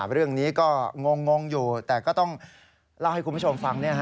เรื่องนี้ก็งงอยู่แต่ก็ต้องเล่าให้คุณผู้ชมฟัง